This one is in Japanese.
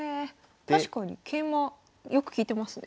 確かに桂馬よく利いてますね。